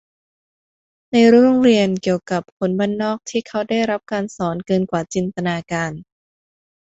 ในรั้วโรงเรียนเกี่ยวกับคนบ้านนอกที่เขาได้รับการสอนเกินกว่าจินตนาการ